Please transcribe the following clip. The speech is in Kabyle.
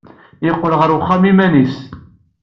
Yeqqel ɣer uxxam i yiman-nnes.